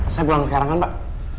saya bilang sekarang kan pak